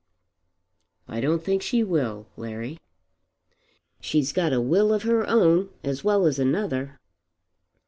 "I don't think she will, Larry." "She's got a will of her own as well as another."